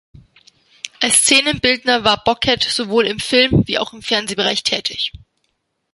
Als Szenenbildner war Bocquet sowohl im Film- wie auch im Fernsehbereich tätig.